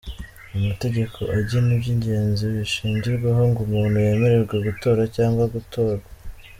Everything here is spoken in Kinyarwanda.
Amategeko agena iby’ingenzi bishingirwaho ngo umuntu yemererwe gutora cyangwa gutorwa.